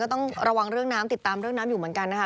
ต้องระวังเรื่องน้ำติดตามเรื่องน้ำอยู่เหมือนกันนะคะ